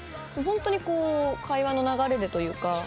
ホントにこう会話の流れでというか。